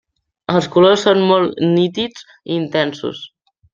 Els colors són molt nítids i intensos.